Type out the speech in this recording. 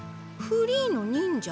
フリーの忍者？